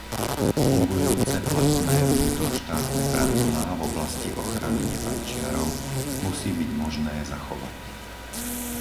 Fungujúce platné vnútroštátne pravidlá v oblasti ochrany nefajčiarov musí byť možné zachovať.